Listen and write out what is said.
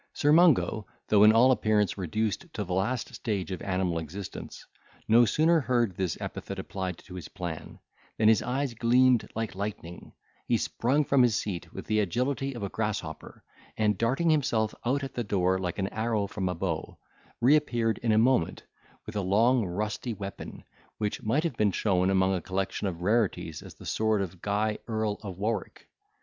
Sir Mungo, though in all appearance reduced to the last stage of animal existence, no sooner heard this epithet applied to his plan, than his eyes gleamed like lightning, he sprung from his seat with the agility of a grasshopper, and, darting himself out at the door like an arrow from a bow, reappeared in a moment with a long rusty weapon, which might have been shown among a collection of rarities as the sword of Guy Earl of Warwick.